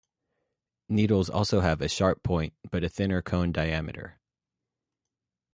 Needles also have a sharp point, but a thinner cone diameter.